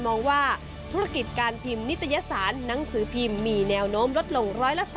มองว่าธุรกิจการพิมพ์นิตยสารหนังสือพิมพ์มีแนวโน้มลดลง๑๓